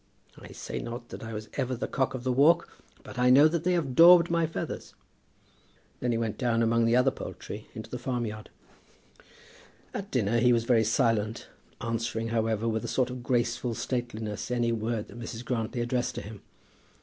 I say not that I was ever the cock of the walk, but I know that they have daubed my feathers." Then he went down among the other poultry into the farmyard. At dinner he was very silent, answering, however, with a sort of graceful stateliness any word that Mrs. Grantly addressed to him.